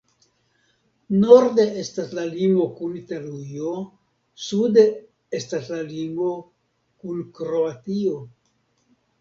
Norde estas la limo kun Italujo, sude estas la limo kun Kroatio.